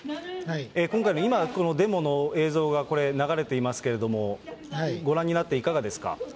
今回の、今、このデモの映像が、これ、流れていますけれども、ご覧になっていかがですか。